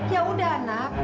ya udah anak